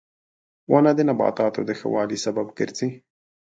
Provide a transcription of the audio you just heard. • ونه د نباتاتو د ښه والي سبب ګرځي.